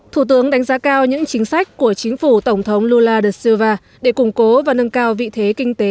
thủ tướng đánh giá cao những chính sách của chính phủ tổng thống lula da silva để củng cố và nâng cao vị thế kinh tế